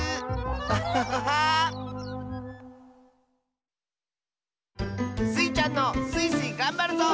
アッハハハー！スイちゃんの「スイスイ！がんばるぞ」